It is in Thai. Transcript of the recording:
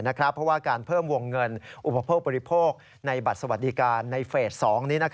เพราะว่าการเพิ่มวงเงินอุปโภคบริโภคในบัตรสวัสดิการในเฟส๒นี้